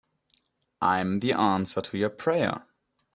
I'm the answer to your prayer.